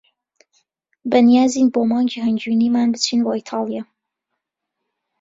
بەنیازین بۆ مانگی هەنگوینیمان بچین بۆ ئیتالیا.